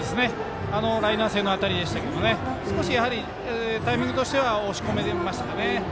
ライナー性の当たりでしたけど少しタイミングとしては押し込まれていましたかね。